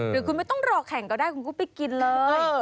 หรือคุณไม่ต้องรอแข่งก็ได้คุณก็ไปกินเลย